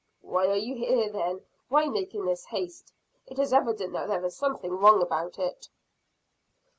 "Why are you here then why making this haste? It is evident that there is something wrong about it."